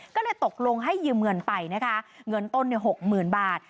ก็เลยตกลงให้ยืมเงินไปนะคะเงินต้น๖๐๐๐บาท